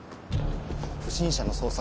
不審者の捜索